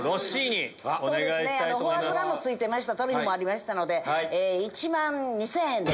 フォアグラも付いてましたトリュフもありましたので１万２０００円で。